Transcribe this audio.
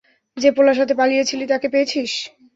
যে পোলার সাথে পালিয়েছিল তাকে পেয়েছিস?